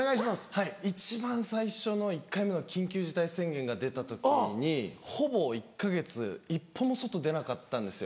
はい一番最初の１回目の緊急事態宣言が出た時にほぼ１か月一歩も外出なかったんですよ。